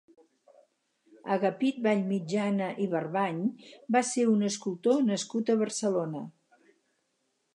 Agapit Vallmitjana i Barbany va ser un escultor nascut a Barcelona.